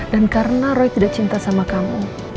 dan karena roy tidak cinta sama kamu